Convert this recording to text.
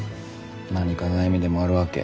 何か悩みでもあるわけ？